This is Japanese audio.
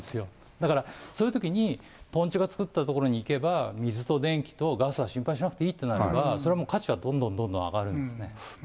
だからそういうときに、トンチュがつくった所に行けば水と電気とガスは心配しなくていいとなれば、それは価値はどんどんどんどん上がるんですね。